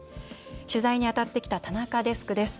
取材に当たってきた田中デスクです。